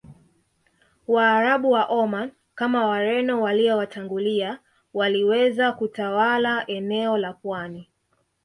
Waarabu wa Omani kama Wareno waliowatangulia waliweza kutawala eneo la pwani